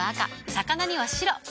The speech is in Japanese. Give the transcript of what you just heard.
魚には白。